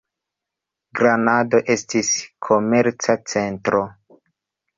Granado estis komerca centro.